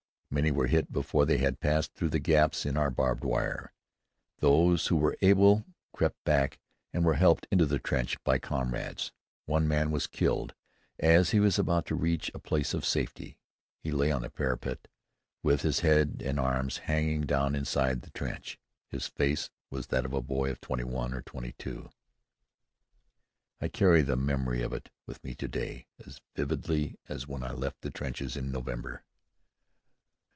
Many were hit before they had passed through the gaps in our barbed wire. Those who were able crept back and were helped into the trench by comrades. One man was killed as he was about to reach a place of safety. He lay on the parapet with his head and arms hanging down inside the trench. His face was that of a boy of twenty one or twenty two. I carry the memory of it with me to day as vividly as when I left the trenches in November.